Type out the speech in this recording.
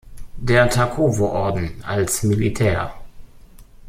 Der Takovo-Orden, als Militär-.